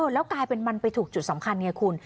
แล้วกลายเป็นมันไปถูกจุดสำคัญไงคุณ